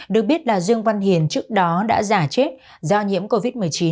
được biết là dương văn hiền trước đó đã giả chết do nhiễm covid một mươi chín